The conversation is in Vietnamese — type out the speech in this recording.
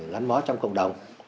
lăn mó trong cộng đồng